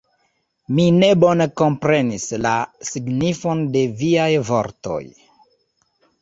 Mi ne bone komprenis la signifon de viaj vortoj.